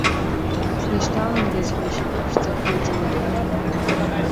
Снышьҭаландаз ҳәа ишьапы ԥшӡахо иҿынеихеит.